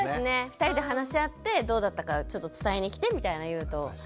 ２人で話し合ってどうだったかちょっと伝えに来てみたいの言うと。